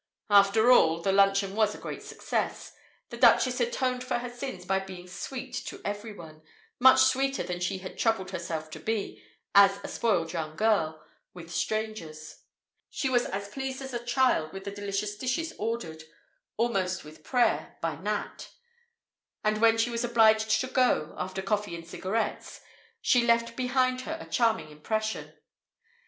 After all, the luncheon was a great success. The Duchess atoned for her sins by being "sweet" to everyone, much sweeter than she had troubled herself to be, as a spoiled young girl, with strangers. She was as pleased as a child with the delicious dishes ordered, almost with prayer, by Nat; and when she was obliged to go, after coffee and cigarettes, she left behind her a charming impression.